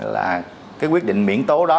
là cái quyết định miễn tố đó